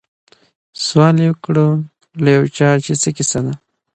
سوال یې وکړ له یو چا چي څه کیسه ده